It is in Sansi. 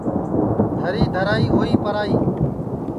دَھری دَھرائی ہوئی پرائی